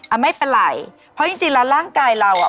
อ่ะ๔๕๒๐ไม่เป็นไรเพราะจริงแล้วร่างกายเราอ่ะ